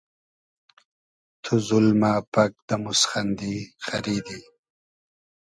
تو زولمۂ پئگ دۂ موسخیندی خئریدی